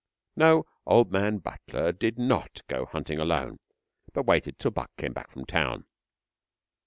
No old man Butler did not go hunting alone, but waited till Buck came back from town.